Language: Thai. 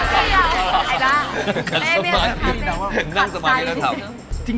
ขัดสมาธินั่งสมาธิแล้วทำ